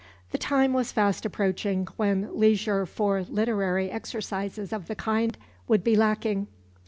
The time was fast approaching when leisure for literary exercises of the kind would be lacking.